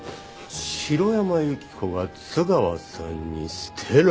城山由希子が津川さんに捨てられた。